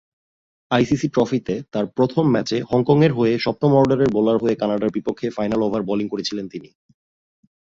ICC ট্রফিতে তার প্রথম ম্যাচে হংকংয়ের হয়ে সপ্তম অর্ডারের বোলার হয়ে কানাডার বিপক্ষে ফাইনাল ওভার বোলিং করেছিলেন তিনি।